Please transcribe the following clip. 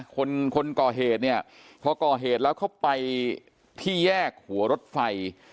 คนคนก่อเหตุเนี่ยพอก่อเหตุแล้วเขาไปที่แยกหัวรถไฟ